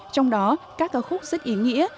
trong đó các ca khúc rất ý nghĩa